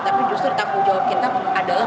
tapi justru tanggung jawab kita adalah